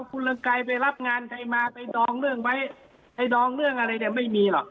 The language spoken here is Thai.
กูเลิงไกรไปรับงานใครมาไปดองเรื่องไว้ดองเรื่องอะไรยังไม่มีหรอก